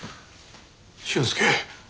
俊介。